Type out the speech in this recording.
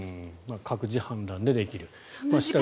各自、判断でできる。